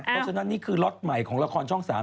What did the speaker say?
เพราะฉะนั้นนี่คือล็อตใหม่ของละครช่อง๓